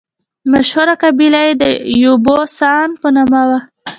مشهوره قبیله یې د یبوسان په نامه وه.